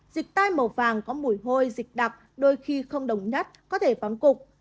dịch tai màu vàng có mùi hôi dịch đặc đôi khi không đồng nhất có thể vón cục